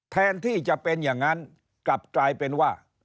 แทนที่จะเป็นอย่างนั้นกลับกลายเป็นว่า